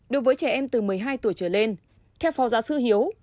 đối với trẻ em từ một mươi hai tuổi trở lên theo phó giáo sư hiếu